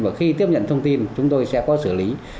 và khi tiếp nhận thông tin chúng tôi sẽ có xử lý